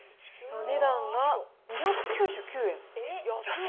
お値段は２９９円。